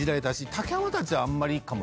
竹山たちはあんまりかも。